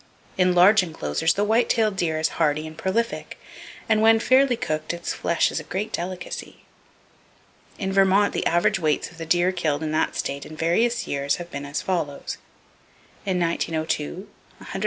In large enclosures, the white tailed deer is hardy and prolific, and when fairly cooked its flesh is a great delicacy. In Vermont the average weights of the deer killed in that state in various years have been as follow:—in 1902, 171 lbs.